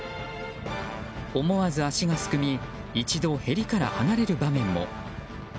思わず足がすくみ一度、へりから離れる場面も。